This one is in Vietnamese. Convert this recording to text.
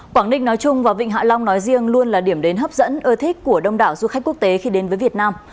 quảng ninh nói chung và vịnh hạ long nói riêng luôn là điểm đến hấp dẫn ưa thích của đông đảo du khách quốc tế khi đến với việt nam